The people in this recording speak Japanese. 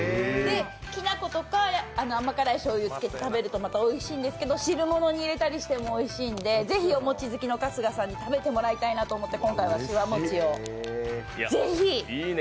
きな粉とか甘辛いしょうゆをつけて食べるとまたおいしいんですけど、汁物に入れたりしてもまたおいしいので、ぜひお餅好きの春日さんに食べてもらいたいと思って今回は、しわもちをぜひ！